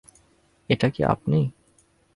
এটা কি আপনি?